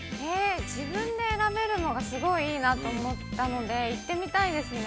◆自分で選べるのがすごいいいなと思ったので行ってみたいですね。